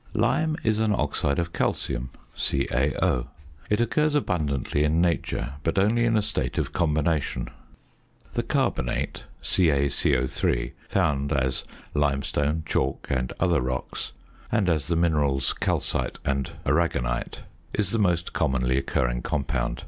Lime is an oxide of calcium, CaO. It occurs abundantly in nature, but only in a state of combination. The carbonate (CaCO_), found as limestone, chalk, and other rocks, and as the minerals calcite and arragonite, is the most commonly occurring compound.